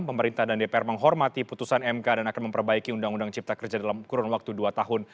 pemerintah dan dpr menghormati putusan mk dan akan memperbaiki undang undang cipta kerja dalam kurun waktu dua tahun